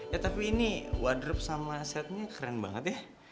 ya tapi ini wadrop sama setnya keren banget ya